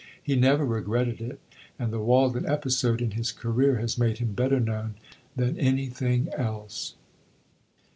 He never regretted it, and the Walden episode in his career has made him better known than anything else.